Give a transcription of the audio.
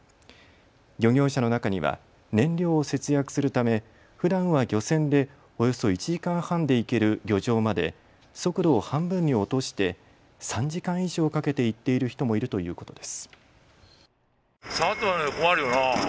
漁業者の中には燃料を節約するためふだんは漁船でおよそ１時間半で行ける漁場まで速度を半分に落として３時間以上かけて行っている人もいるということです。